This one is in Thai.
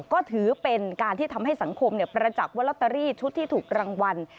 ก็ถือเป็นการที่ทำให้สังคมประจักษ์ว่าลอตเตอรี่ชุดที่ถูกรางวัล